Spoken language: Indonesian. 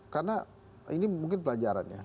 karena ini mungkin pelajarannya